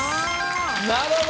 なるほど！